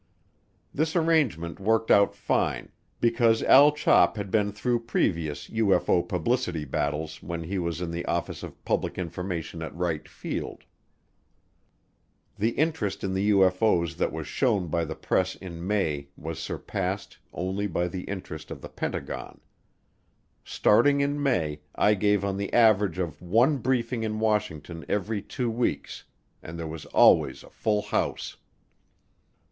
This arrangement worked out fine because Al Chop had been through previous UFO publicity battles when he was in the Office of Public Information at Wright Field. The interest in the UFO's that was shown by the press in May was surpassed only by the interest of the Pentagon. Starting in May, I gave on the average of one briefing in Washington every two weeks, and there was always a full house.